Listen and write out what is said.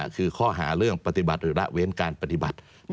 คือข้อหาเรื่องปฏิบัติหรือละเว้นการปฏิบัติ